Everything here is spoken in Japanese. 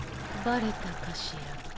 バレたかしら。